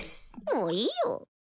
もういいよ。